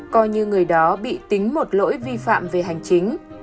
coi như người đó bị tính một lỗi vi phạm về hành chính